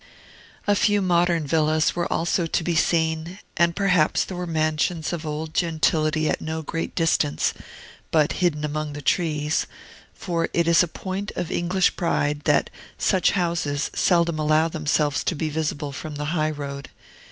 A few modern villas were also to be seen, and perhaps there were mansions of old gentility at no great distance, but hidden among trees; for it is a point of English pride that such houses seldom allow themselves to be visible from the high road.